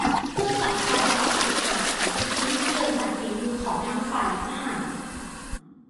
เบื้องหลังความว้าวของข่าวแต่ละชิ้นเกิดจากฝีมือของทั้งฝ่ายเนื้อหา